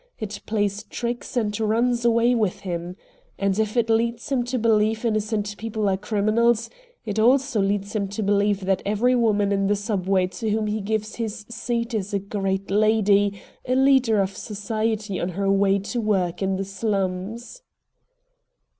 It plays tricks and runs away with him. And if it leads him to believe innocent people are criminals, it also leads him to believe that every woman in the Subway to whom he gives his seat is a great lady, a leader of society on her way to work in the slums.